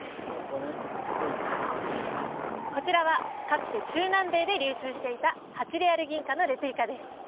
こちらはかつて中南米で流通していた８レアル銀貨のレプリカです